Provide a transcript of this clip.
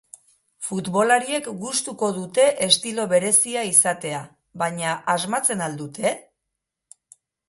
Futbolariek gustuko dute estilo berezia izatea, baina asmatzen al dute?